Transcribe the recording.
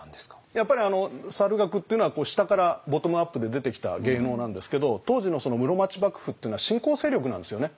やっぱり猿楽っていうのは下からボトムアップで出てきた芸能なんですけど当時の室町幕府っていうのは新興勢力なんですよね。